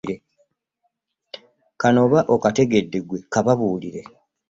Kano oba okategedde ggwe kababuulire.